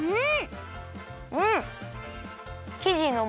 うん！